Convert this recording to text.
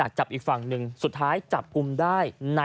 ออกจะเจออยู่ที่แม่น้ำ